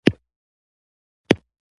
هغه په پیل کې خورا خوشحاله و